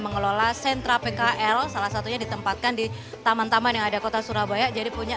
mengelola sentra pkl salah satunya ditempatkan di taman taman yang ada kota surabaya jadi punya